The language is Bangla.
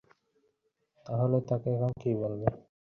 কিন্তু প্রধানমন্ত্রীর ওয়াদার বাস্তবায়ন ঘটেনি।